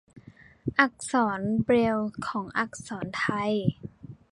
อักษรเบรลล์ของอักษรไทย